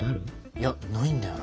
いやないんだよな。